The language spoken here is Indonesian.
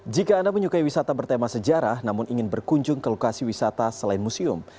jika anda menyukai wisata bertema sejarah namun ingin berkunjung ke lokasi wisata selain museum